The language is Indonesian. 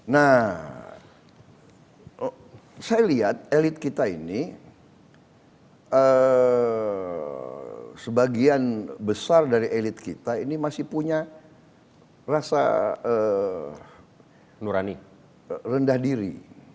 nah saya lihat elit kita ini sebagian besar dari elit kita ini masih punya rasa rendah diri